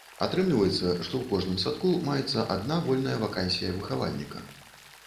Атрымліваецца, што ў кожным садку маецца адна вольная вакансія выхавальніка.